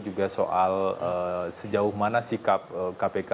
juga soal sejauh mana sikap kpk